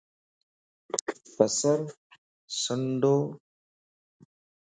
بسر سنووڍ